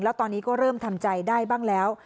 แล้วตอนนี้ก็เริ่มทำใจได้บ้างแล้ว